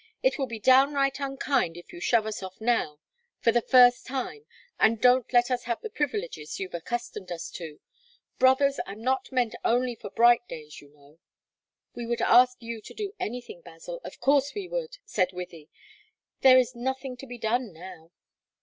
It will be downright unkind if you shove us off now, for the first time, and don't let us have the privileges you've accustomed us to. Brothers are not meant only for bright days, you know." "We would ask you to do anything, Basil; of course we would," said Wythie. "There is nothing to be done now."